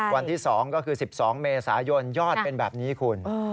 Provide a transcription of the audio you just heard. วันที่๒ก็คือ๑๒เมษายนยอดเป็นแบบนี้คุณ